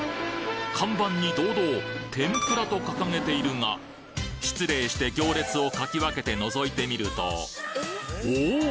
看板に堂々「天ぷら」と掲げているが失礼して行列をかき分けて覗いてみるとおぉ！